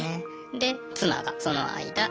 で妻がその間。